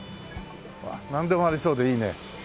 なんでもありそうでいいね。